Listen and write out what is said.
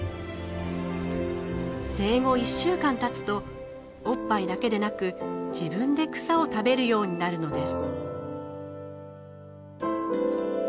生後１週間たつとおっぱいだけでなく自分で草を食べるようになるのです。